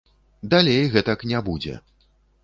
Далей гэтак не будзе!